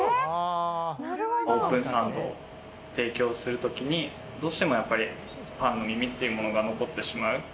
オープンサンドを提供するときにどうしてもやっぱり、パンの耳っていうものが残ってしまう。